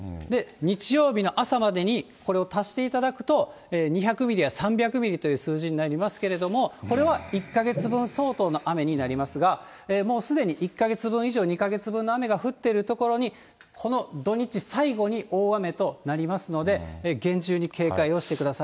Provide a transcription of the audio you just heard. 日曜日の朝までに、これを足していただくと２００ミリや３００ミリという数字になりますけれども、これは１か月分相当の雨になりますが、もうすでに１か月分以上、２か月分の雨が降っているところに、この土日最後に大雨となりますので、厳重に警戒をしてください。